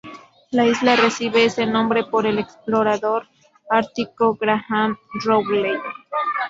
La isla recibe ese nombre por el explorador ártico Graham Rowley.